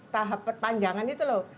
tahap perpanjangan itu loh